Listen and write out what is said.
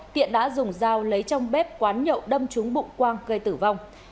tiện đã dùng dao lấy trong bếp quán nhậu đâm trúng bụng quang gây tử vong